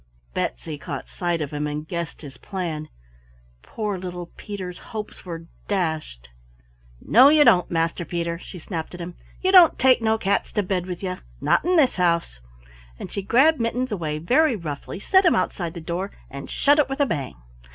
Betsy caught sight of him and guessed his plan. Poor little Peter's hopes were dashed. "No you don't, Master Peter," she snapped at him. "Ye don't take no cats to bed with ye not in this house!" And she grabbed Mittens away very roughly, set him outside the door, and shut it with a bang.